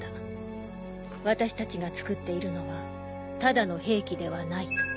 私たちが造っているのはただの兵器ではないと。